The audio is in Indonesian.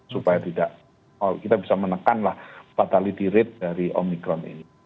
supaya tidak kita bisa menekan lah fatality rate dari omicron ini